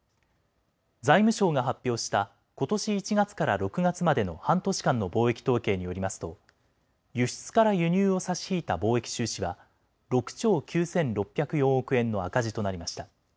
財務省が発表したことし１月から６月までの半年間の貿易統計によりますと輸出から輸入を差し引いた貿易収支は６兆９６０４億円の赤字となりました。